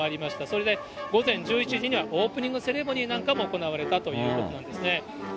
それで午前１１時には、オープニングセレモニーなんかも行われたということなんですね。